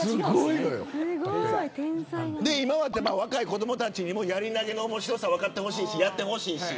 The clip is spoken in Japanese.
若い子どもたちにもやり投げの面白さ分かってほしいしやってほしい。